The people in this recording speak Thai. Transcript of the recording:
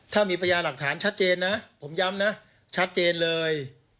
ถ้ามีพยาหลักฐานชัดเจนนะผมย้ำนะชัดเจนเลย